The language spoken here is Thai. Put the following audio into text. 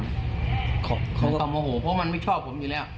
เขาก็โมโหเพราะมันไม่ชอบผมอยู่แล้ว